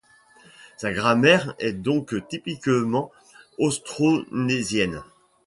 Sa grammaire est donc typiquement austronésienne.